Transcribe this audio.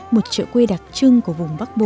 một chợ quê đặc trưng của vùng bắc bộ